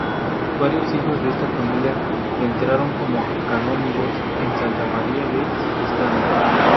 Varios hijos de esta familia entraron como canónigos en Santa María de Estany.